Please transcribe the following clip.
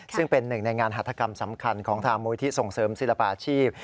ซึ่งเป็นหนึ่งในงานหัฐกรรมสำคัญของทางมูลที่ส่งเสริมศิลปาชีพ